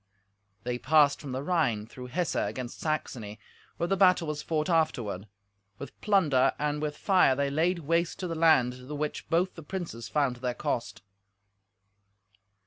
They passed from the Rhine through Hesse against Saxony, where the battle was fought afterward. With plunder and with fire they laid waste to the land, the which both the princes found to their cost.